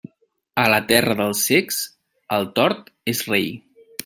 A la terra dels cecs, el tort és rei.